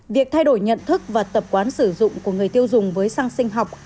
việc thay đổi nhận thức và tập quán sử dụng của người tiêu dùng với xăng sinh học